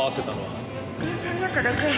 電車に酔っただけ。